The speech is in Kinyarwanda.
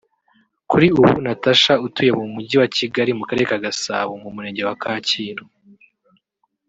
Kuri ubu Natacha atuye mu Mujyi wa Kigali mu Karere ka Gasabo mu Murenge wa Kacyiru